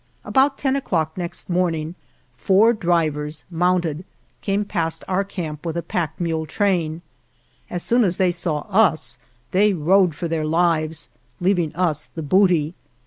About ten o'clock next morning four driv ers, mounted, came past our camp with a pack mule train. As soon as they saw us they rode for their lives, leaving us the booty.